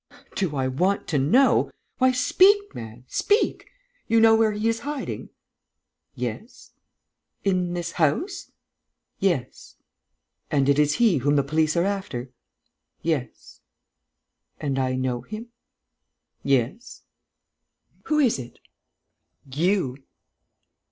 "Do I want to know?... Why, speak, man, speak!... You know where he is hiding?" "Yes." "In this house?" "Yes." "And it is he whom the police are after?" "Yes." "And I know him?" "Yes." "Who is it?" "You!"